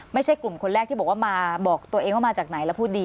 ไม่ใช่กลุ่มคนแรกที่บอกว่ามาบอกตัวเองว่ามาจากไหนแล้วพูดดี